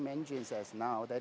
meskipun meskipun sekarang